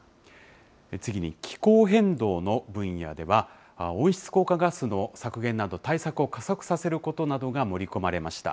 次に気候変動の分野では、温室効果ガスの削減など対策を加速させることなどが盛り込まれました。